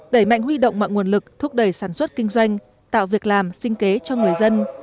đẩy mạnh huy động mọi nguồn lực thúc đẩy sản xuất kinh doanh tạo việc làm sinh kế cho người dân